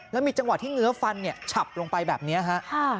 แล้วมีจังหวะที่เงื้อฟันเนี่ยฉับลงไปแบบนี้ฮะ